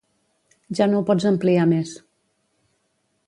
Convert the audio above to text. Ja no ho pots ampliar més.